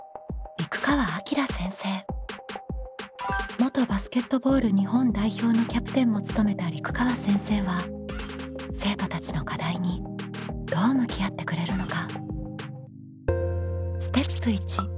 元バスケットボール日本代表のキャプテンも務めた陸川先生は生徒たちの課題にどう向き合ってくれるのか？